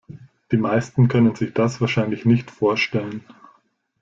Die meisten können sich das wahrscheinlich nicht vorstellen.